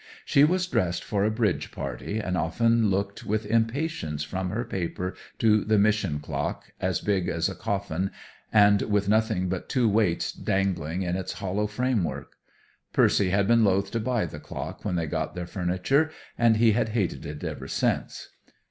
She was dressed for a bridge party, and often looked with impatience from her paper to the Mission clock, as big as a coffin and with nothing but two weights dangling in its hollow framework. Percy had been loath to buy the clock when they got their furniture, and he had hated it ever since.